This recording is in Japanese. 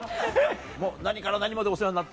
もう何から何までお世話になってんだ。